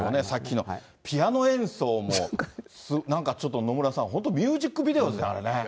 さっきのピアノ演奏も、なんかちょっと、野村さん、本当ミュージックビデオですよね、あれね。